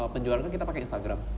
penjualannya kita pakai instagram